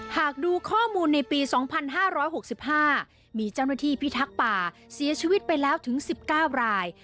หากดูข้อมูลในปี๒๕๖๕มีเจ้าหน้าที่พิทักษ์ป่าเสียชีวิตไปแล้วถึง๑๙ราย